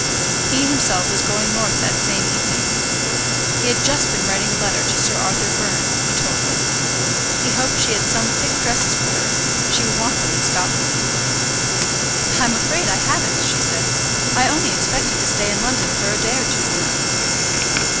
He himself was going North that same evening. He had just been writing a letter to Sir Arthur Byrne, he told her. He hoped she had some thick dresses with her; she would want them in Scotland. "I am afraid I haven't," she said. "I only expected to stay in London for a day or two, you know."